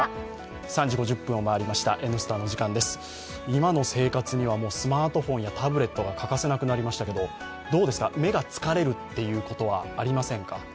今の生活にはスマートフォンやタブレットが欠かせなくなりましたけど、どうですか、目が疲れるっていうことはありませんか？